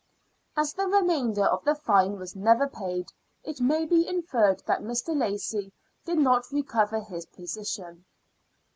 As the remainder of the fine was never paid, it may be inferred that Mr. Lacie did not recover his position.